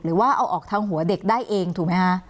หรือว่าเอาออกทางหัวเด็กได้เองถูกไหมคะ